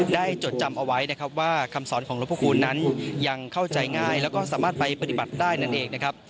จดจำเอาไว้นะครับว่าคำสอนของหลวงพระคูณนั้นยังเข้าใจง่ายแล้วก็สามารถไปปฏิบัติได้นั่นเองนะครับ